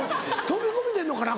飛び込み出んのかな？